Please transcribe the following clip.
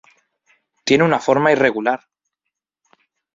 Tiene una forma irregular.